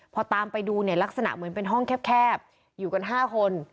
เนี่ยลักษณะเหมือนเป็นห้องแคบแคบอยู่กันห้าคน